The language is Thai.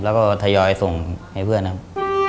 แล้วก็ทยอยส่งให้เพื่อนครับ